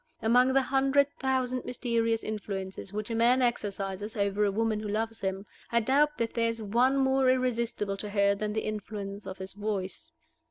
Among the hundred thousand mysterious influences which a man exercises over a woman who loves him, I doubt if there is any more irresistible to her than the influence of his voice.